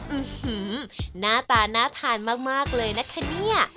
ื้อหือหน้าตาน่าทานมากเลยนะคะเนี่ย